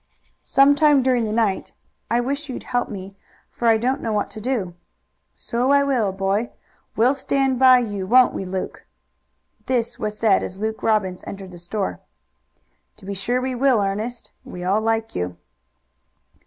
"Some time during the night. I wish you'd help me, for I don't know what to do." "So I will, boy. We'll stand by you, won't we, Luke?" This was said as Luke Robbins entered the store. "To be sure we will, Ernest. We all like you."